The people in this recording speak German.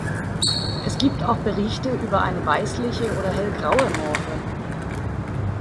Es gibt auch Berichte über eine weißliche oder hellgraue Morphe.